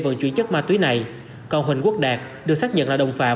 vận chuyển chất ma túy này cầu huỳnh quốc đạt được xác nhận là đồng phạm